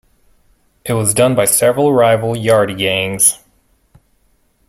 It was done by several rival yardie gangs.